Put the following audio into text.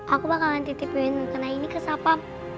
aku bakalan titipin kena ini ke sapa